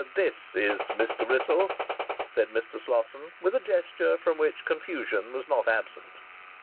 "This is Mr. Wrissel," said Mr. Slosson, with a gesture from which confusion was not absent.